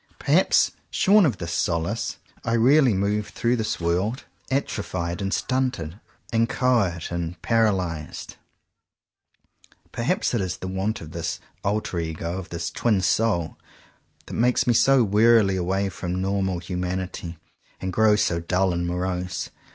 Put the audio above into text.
Perhaps, shorn of this solace, I really move through this world 33 CONFESSIONS OF TWO BROTHERS atrophied and stunted, inchoate and par alyzed. Perhaps it is the want of this "alter ego," of this ''twin soul," that makes me turn so wearily away from normal humanity, and grow so dull and morose.